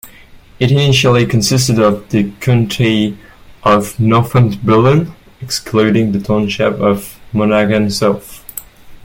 It initially consisted of the county of Northumberland, excluding the township of Monaghan South.